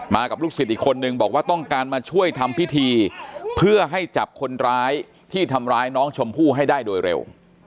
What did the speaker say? กับลูกศิษย์อีกคนนึงบอกว่าต้องการมาช่วยทำพิธีเพื่อให้จับคนร้ายที่ทำร้ายน้องชมพู่ให้ได้โดยเร็ว